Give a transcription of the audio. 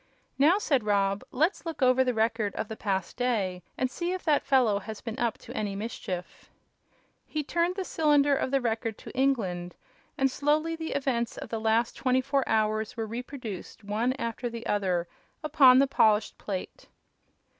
"Now," said Rob, "let's look over the record of the past day and see if that fellow has been up to any mischief." He turned the cylinder of the Record to "England," and slowly the events of the last twenty four hours were reproduced, one after the other, upon the polished plate.